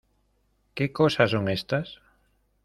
¿Qué cosas son estas?